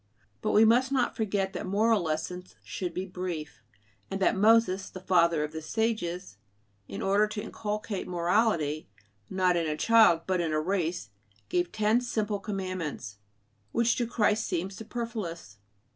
But we must not forget that moral lessons should be brief; and that Moses, the father of the sages, in order to inculcate morality, not in a child, but in a race, gave ten simple commandments, which to Christ seemed superfluous.